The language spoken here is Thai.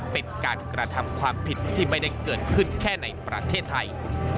เป็นการกระทำความผิดที่ไม่ได้เกิดขึ้นแค่ในประเทศไทย